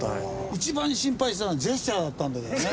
一番心配したのはジェスチャーだったんだけどね。